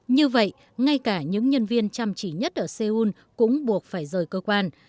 như vậy ngay cả những nhân viên chăm chỉ nhất ở seoul cũng buộc phải rời cơ quan